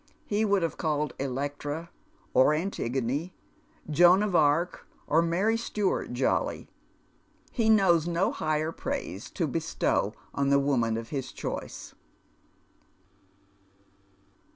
He would have called Electra or Antigone, Joan of Arc or Mary Stuart, jolly. He knows no higher praise to bestow on the woman of has choice.